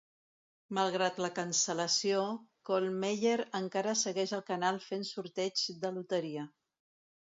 Malgrat la cancel·lació, Kollmeyer encara segueix al canal fent sorteigs de loteria.